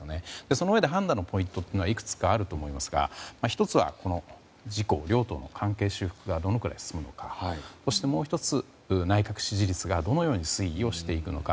そのうえで判断のポイントはいくつかあると思いますが１つは自公両党の関係修復がどのくらい進むのかそして、もう１つは内閣支持率がどのように推移をしていくのか。